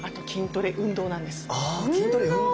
あ筋トレ運動。